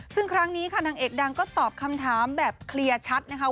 ซึ่งครั้งนี้ค่ะนางเอกดังก็ตอบคำถามแบบเคลียร์ชัดนะคะ